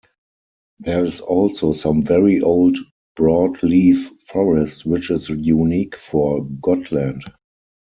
There is also some very old broadleaf forest, which is unique for Gotland.